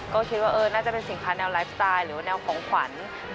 ก็คิดว่าน่าจะเป็นสินค้าแนวไลฟ์สไตล์หรือว่าแนวของขวัญ